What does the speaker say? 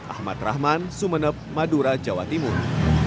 ahmad rahman sumeneb madura jawa timur